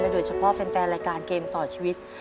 โดยเฉพาะแฟนรายการเกมต่อชีวิต